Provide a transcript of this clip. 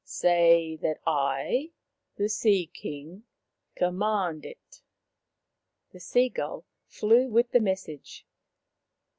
Say that I, the Sea king, command it." The sea gull flew with the message.